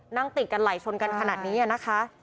นั่งติดกันไหลชนกันขนาดนี้นะคะ